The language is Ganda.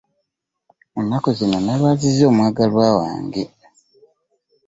Ennaku zino nalwaziza omwagalwa wange.